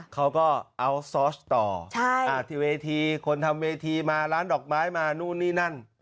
เขาก็เอาซอสต่อที่เวทีคนทำเวทีมาร้านดอกไม้มานู่นนี่นั่น